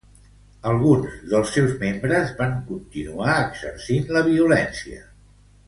Alguns dels seus membres van continuar exercint la violència.